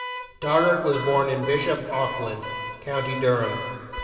Doggart was born in Bishop Auckland, County Durham.